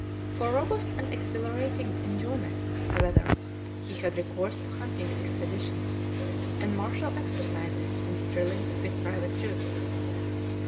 For robust and exhilarating enjoyment, however, he had recourse to hunting expeditions, and martial exercises in the drilling of his private troops.